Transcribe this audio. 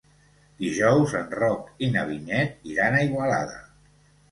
Dijous en Roc i na Vinyet iran a Igualada.